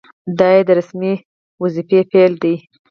دا یې د رسمي دندې پیل دی.